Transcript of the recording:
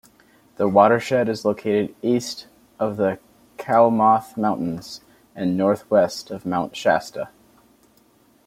The watershed is located east of the Klamath Mountains and northwest of Mount Shasta.